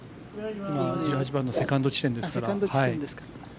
今１８番のセカンド地点です。